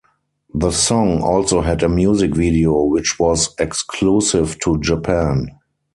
The song also had a music video, which was exclusive to Japan.